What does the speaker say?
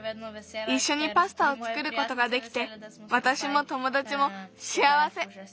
いっしょにパスタをつくることができてわたしもともだちもしあわせ。